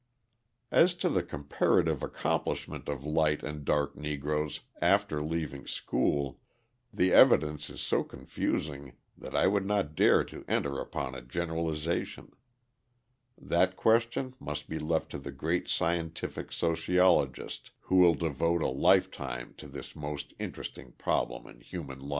As to the comparative accomplishment of light and dark Negroes after leaving school, the evidence is so confusing that I would not dare to enter upon a generalisation: that question must be left to the great scientific sociologist who will devote a lifetime to this most interesting problem in human life.